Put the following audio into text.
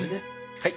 はい。